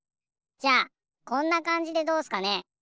じゃあこんなかんじでどうっすかね。